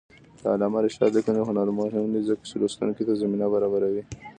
د علامه رشاد لیکنی هنر مهم دی ځکه چې لوستونکي ته زمینه برابروي.